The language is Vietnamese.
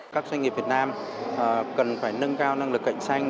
các doanh nghiệp việt nam cần phải nâng cao năng lực cạnh tranh